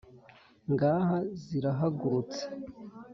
Ngaha zirahagurutse,